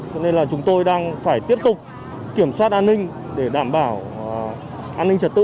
cho nên là chúng tôi đang phải tiếp tục kiểm soát an ninh để đảm bảo an ninh trật tự